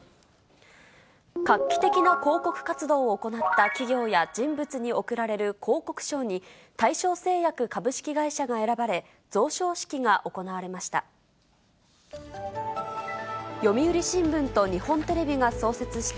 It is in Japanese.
画期的な広告活動を行った企業や人物に贈られる広告賞に、大正製薬株式会社が選ばれ、贈賞式が行われました。